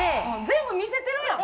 全部見せてるやん！